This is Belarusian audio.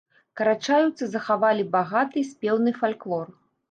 Карачаеўцы захавалі багаты спеўны фальклор.